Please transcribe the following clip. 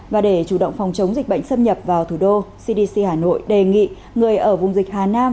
và để chủ động phòng chống dịch bệnh xâm nhập vào thủ đô cdc hà nội đề nghị người ở vùng dịch hà nam